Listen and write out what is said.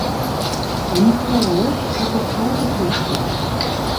Amsler selbst hatte zwei Geschwister.